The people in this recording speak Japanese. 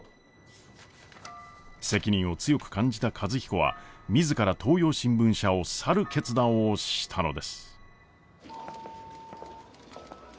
責任を強く感じた和彦は自ら東洋新聞社を去る決断をしたのです。